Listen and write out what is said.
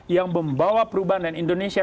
yang membawa perubahan dan indonesia